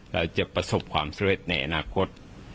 เราจะประสบความเศรษฐ์ในอนาคต